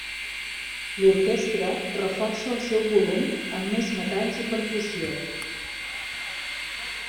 L'orquestra reforça el seu volum amb més metalls i percussió.